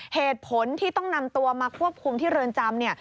เหตุผลที่ต้องนำตัวมาควบคุมที่เรือนจำเนี่ย